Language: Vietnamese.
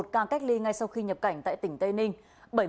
một ca cách ly ngay sau khi nhập cảnh tại tỉnh tây ninh